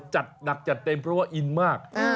จัดหนักจัดเต็มเพราะว่าอินมาก